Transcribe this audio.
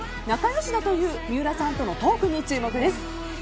仲良しだという三浦さんとのトークに注目です。